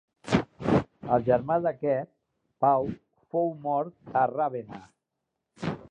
El germà d'aquest, Pau, fou mort a Ravenna.